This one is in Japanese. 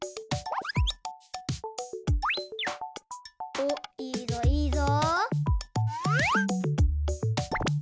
おっいいぞいいぞ。